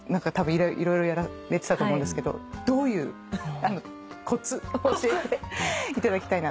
色々やられてたと思うんですけどどういうコツを教えていただきたいなと。